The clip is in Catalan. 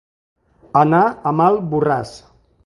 Anar a mal borràs.